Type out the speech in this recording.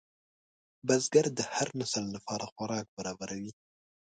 بزګر د هر نسل لپاره خوراک برابروي